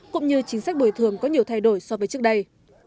cũng như chính sách bồi thường có nhiều thay đổi so với trước đây